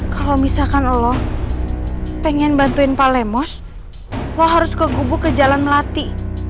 kalo misalkan lo pengen bantuin pak lemos lo harus ke gubuk ke jalan melati